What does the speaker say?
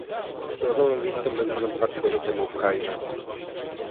Z podobną wizytą byłem ponad dwa tygodnie temu w Kairze